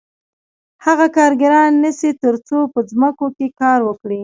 هغه کارګران نیسي تر څو په ځمکو کې کار وکړي